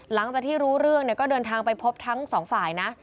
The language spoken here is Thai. หลังจากที่รู้เรื่องเนี่ยก็เดินทางไปพบทั้งสองฝ่ายนะ